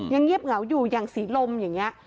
ยังเงี๊บเหงาอยู่อย่างสีลมอย่างเงี้ย